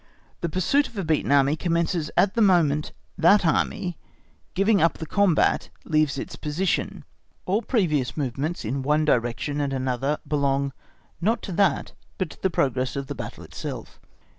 The pursuit of a beaten Army commences at the moment that Army, giving up the combat, leaves its position; all previous movements in one direction and another belong not to that but to the progress of the battle itself.